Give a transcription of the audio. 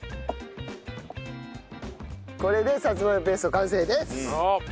これでさつまいもペースト完成です。